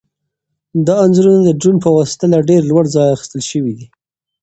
دا انځورونه د ډرون په واسطه له ډېر لوړ ځایه اخیستل شوي دي.